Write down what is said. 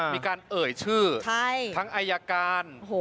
มีการเอ่ยชื่อทั้งอายการ